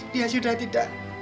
dia sudah tidak